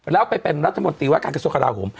แล้วไปเป็นรัฐมนตรีว่าการกระทรวงกราโหม